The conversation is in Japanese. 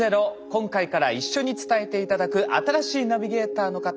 今回から一緒に伝えて頂く新しいナビゲーターの方